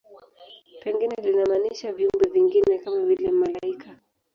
Pengine linamaanisha viumbe vingine, kama vile malaika.